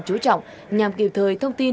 chú trọng nhằm kịp thời thông tin